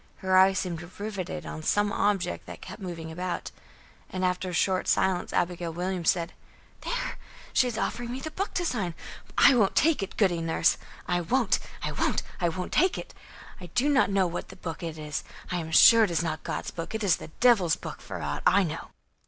Her eyes seemed riveted on some object that kept moving about. After a short silence, Abigail Williams said: "There, she is offering me the book to sign; but I won't take it, Goody Nurse! I won't! I won't! I won't take it! I do not know what book it is. I am sure it is not God's book. It is the Devil's book, for aught I know."